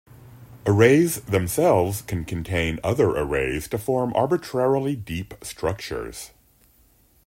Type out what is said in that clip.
Arrays themselves can contain other arrays to form arbitrarily deep structures.